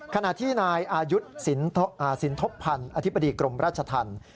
ขณะที่นายอายุสินทบพันธ์อธิบดีกรมราชธรรม